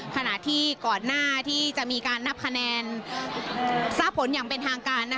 ขณะที่ก่อนหน้าที่จะมีการนับคะแนนทราบผลอย่างเป็นทางการ